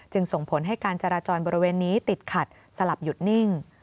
ส่งผลให้การจราจรบริเวณนี้ติดขัดสลับหยุดนิ่ง